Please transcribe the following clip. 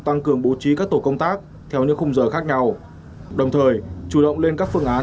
tăng cường bố trí các tổ công tác theo những khung giờ khác nhau đồng thời chủ động lên các phương án